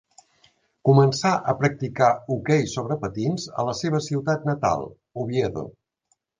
Començà a practicar hoquei sobre patins a la seva ciutat natal, Oviedo.